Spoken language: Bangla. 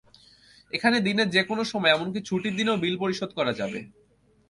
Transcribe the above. এখানে দিনের যেকোনো সময়, এমনকি ছুটির দিনেও বিল পরিশোধ করা যাবে।